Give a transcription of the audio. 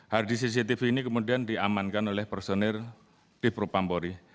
hardi cctv ini kemudian diamankan oleh personil di propampori